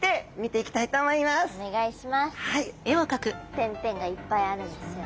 点々がいっぱいあるんですよね。